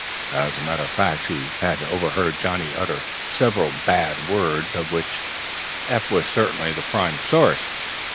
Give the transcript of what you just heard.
As a matter of fact she had overheard Johnnie utter several bad words, of which Eph was certainly the prime source.